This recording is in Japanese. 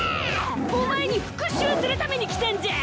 お前に復讐するために来たんじゃ！